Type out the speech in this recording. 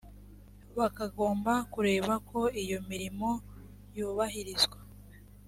bakagomba kureba ko iyo mirimo yubahirizwa